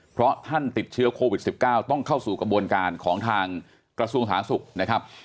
เพราะท่านติดเชื้อโควิด๑๙ต้องเข้าสู่กระบวนการของทางกระทรวงสาธารณสุขนะครับ